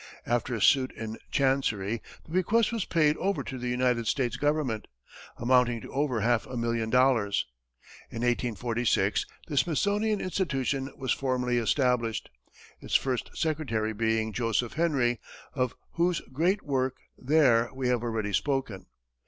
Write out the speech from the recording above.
After a suit in chancery, the bequest was paid over to the United States government, amounting to over half a million dollars. In 1846, the Smithsonian Institution was formally established, its first secretary being Joseph Henry, of whose great work there we have already spoken.